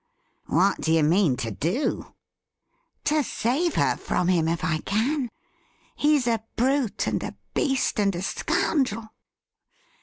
' ^Vhat do you mean to do .?'' To save her from him, if I can. He's a brute and a beast and a scoundrel